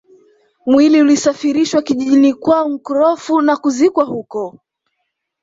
Mwili ulisafirishwa kijijini kwao Nkrofu na kuzikwa huko